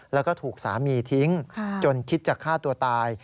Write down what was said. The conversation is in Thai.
แล้วก็ถูกสามีทิ้งจนคิดจะฆ่าตัวตาย